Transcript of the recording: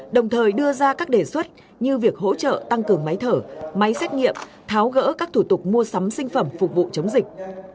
đồng thời đưa ra các đề xuất như việc hỗ trợ tăng cường máy thở máy xét nghiệm tháo gỡ các thủ tục mua sắm sinh phẩm phục vụ chống dịch